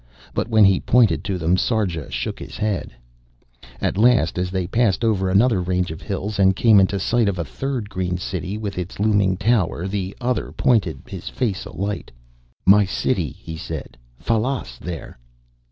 But when he pointed to them Sarja shook his head. At last, as they passed over another range of hills and came into sight of a third green city with its looming tower, the other pointed, his face alight. "My city," he said. "Fallas there."